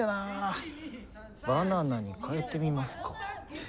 バナナに変えてみますか？